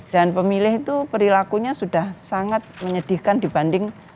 dan pemilih itu perilakunya sudah sangat menyedihkan dibanding